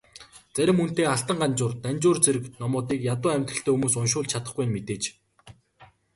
Зарим үнэтэй Алтан Ганжуур, Данжуур зэрэг номуудыг ядуу амьдралтай хүмүүс уншуулж чадахгүй нь мэдээж.